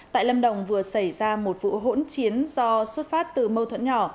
tại lâm đồng vừa xảy ra một vụ hỗn chiến do xuất phát từ mâu thuẫn nhỏ